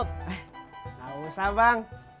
gak usah bang